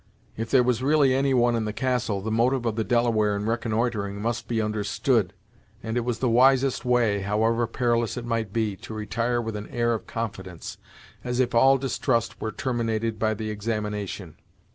If there was really any one in the castle, the motive of the Delaware in reconnoitering must be understood, and it was the wisest way, however perilous it might be, to retire with an air of confidence, as if all distrust were terminated by the examination.